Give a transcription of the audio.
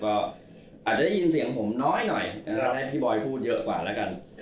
อาจจะได้ยินเสียงผมน้อยให้พี่บอยพูดเยอะกว่าแล้วกัน